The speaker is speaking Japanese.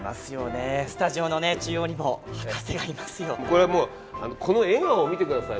これもうこの笑顔を見てください。